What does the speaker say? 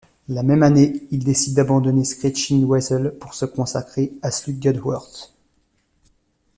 La même année, ils décident d'abandonner Screeching Weasel pour se consacrer à Sludgeworth.